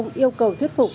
nguyễn công hải ạ